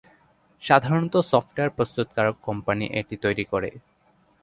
সাধারণত সফটওয়্যার প্রস্তুতকারক কোম্পানি এটি তৈরি করে।